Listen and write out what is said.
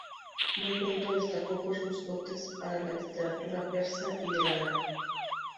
Muy pronto destacó por sus dotes para la literatura persa y el árabe.